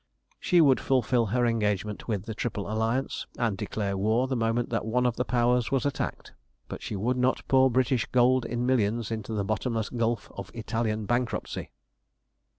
She would fulfil her engagement with the Triple Alliance, and declare war the moment that one of the Powers was attacked, but she would not pour British gold in millions into the bottomless gulf of Italian bankruptcy.